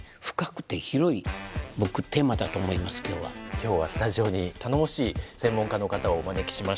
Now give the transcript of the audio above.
今日はスタジオに頼もしい専門家の方をお招きしました。